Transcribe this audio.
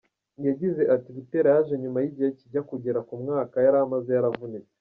Yagize ati “Buteera yaje nyuma y’igihe kijya kugera ku mwaka yari amaze yaravunitse.